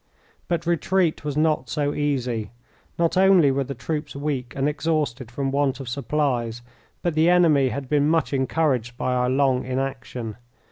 But retreat was not so easy. Not only were the troops weak and exhausted from want of supplies, but the enemy had been much encouraged by our long inaction.